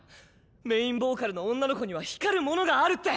「メインボーカルの女の子には光るものがある」って！